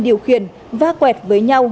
điều khiển va quẹt với nhau